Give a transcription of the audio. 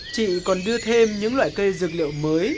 chị còn đưa thêm những loại cây dược liệu mới